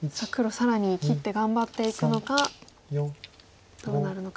更に切って頑張っていくのかどうなるのか。